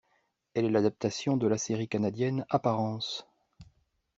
Elle est l'adaptation de la série canadienne Apparences.